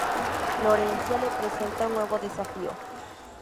Florencia le presenta un nuevo desafío.